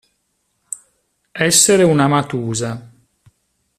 Essere una matusa.